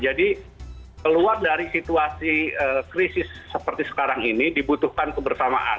jadi keluar dari situasi krisis seperti sekarang ini dibutuhkan kebersamaan